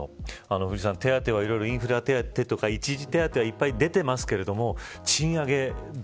手当はいろいろインフレ手当とか一時手当はいっぱい出てますけど賃上げ